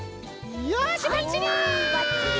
よしばっちり！